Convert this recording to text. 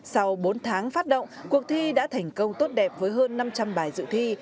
sau bốn tháng phát động cuộc thi đã thành công tốt đẹp với hơn năm trăm linh bài dự thi